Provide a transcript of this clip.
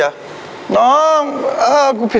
ไม่ต้องกลับมาที่นี่